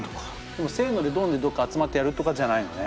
でもせのでドンでどっか集まってやるとかじゃないのね？